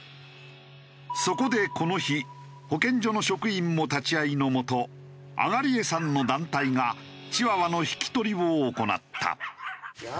そこでこの日保健所の職員も立ち会いのもと東江さんの団体がチワワの引き取りを行った。